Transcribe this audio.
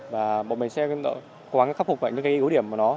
và bọn mình sẽ cố gắng khắc phục những yếu điểm của nó